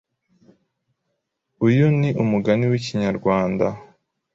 Uyu ni umugani w’ikinyarwanda